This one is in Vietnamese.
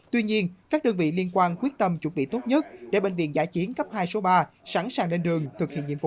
tuy nhiên các đơn vị liên quan quyết tâm chuẩn bị tốt nhất để bệnh viện giã chiến cấp hai số ba sẵn sàng lên đường thực hiện nhiệm vụ